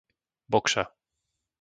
Bokša